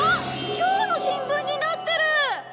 きょうの新聞になってる！